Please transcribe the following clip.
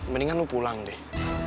mendingan lu pulang deh